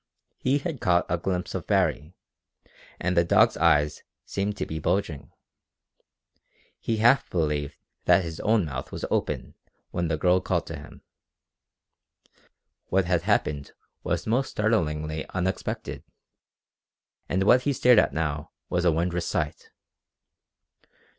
He had caught a glimpse of Baree, and the dog's eyes seemed to be bulging. He half believed that his own mouth was open when the girl called to him. What had happened was most startlingly unexpected, and what he stared at now was a wondrous sight!